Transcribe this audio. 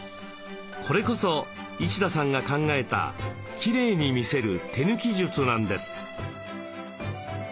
これこそ一田さんが考えたきれいに見せる手抜き術なんです。